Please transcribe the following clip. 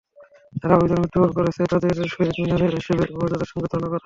যারা অভিযানে মৃত্যুবরণ করেছে, তাদের শহীদ হিসেবে মর্যাদার সঙ্গে তুলে ধরা হয়।